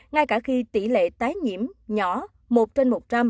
ngay cả khi tỷ lệ tái nhiễm nhỏ một trên một trăm linh